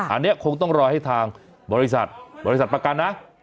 อันนี้คงต้องรอให้ทางบริษัทบริษัทประกันนะ